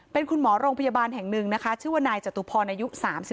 เป็นคุณหมอโรงพยาบาลแห่งหนึ่งนะคะชื่อว่านายจตุพรอายุ๓๒